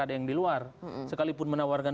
ada yang di luar sekalipun menawarkan